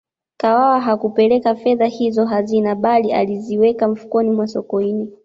kawawa hakupele fedha hizo hazina bali aliziweka mfukoni mwa sokoine